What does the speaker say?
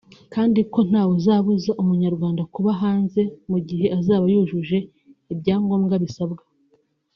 kandi ko nta we uzabuza Umunyarwanda kuba hanze mu gihe azaba yujuje ibyangombwa bisabwa